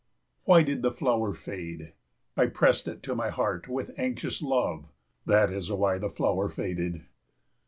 Why did the flower fade? I pressed it to my heart with anxious love, that is why the flower faded.